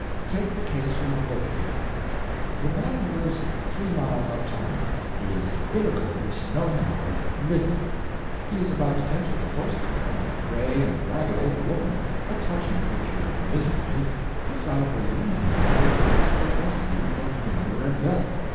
Take the case in the book here. The man lives three miles up town. It is bitter cold, snowing hard, midnight. He is about to enter the horse car when a gray and ragged old woman, a touching picture of misery, puts out her lean hand and begs for rescue from hunger and death.